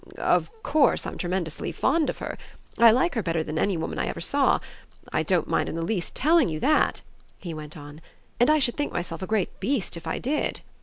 "Of course I'm tremendously fond of her I like her better than any woman I ever saw. I don't mind in the least telling you that," he went on, "and I should think myself a great beast if I did."